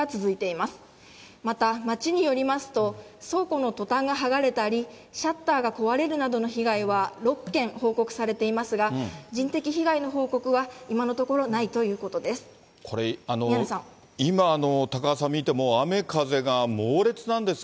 また町によりますと、倉庫のトタンが剥がれたり、シャッターが壊れるなどの被害は６件報告されていますが、人的被害の報告は今のところ、ないということです。